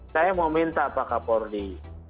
saya mau minta pak kapolri